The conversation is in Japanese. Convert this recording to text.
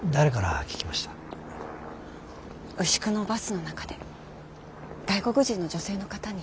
牛久のバスの中で外国人の女性の方に。